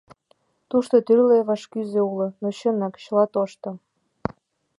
Тушто тӱрлӧ вашкӱзӧ уло, но чынак, чыла тошто.